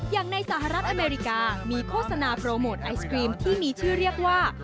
อย่างในสหรัฐอเมริกามีโฆษณาโปรโมทไอศครีมที่มีชื่อเรียกว่า